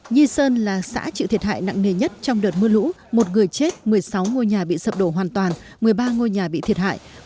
nhi sơn là xã chịu thiệt hại nặng nề nhất trong đợt mưa lũ một người chết một mươi sáu ngôi nhà bị sập đổ hoàn toàn một mươi ba ngôi nhà bị thiệt hại